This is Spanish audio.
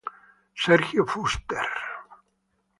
Sergio Fuster.